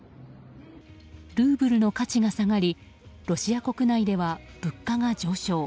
ルーブルの価値が下がりロシア国内では物価が上昇。